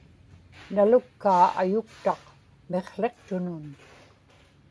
nalukkaa ayuktaq miqłiqtunun